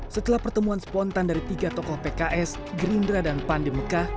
setelah pertemuan spontan dari tiga tokoh pks gerindra dan pandemekah